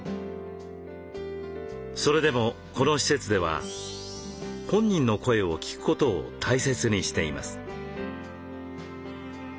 それでもこの施設では本人の声を聴くことを大切にしています。